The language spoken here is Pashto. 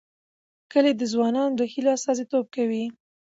کلي د ځوانانو د هیلو استازیتوب کوي.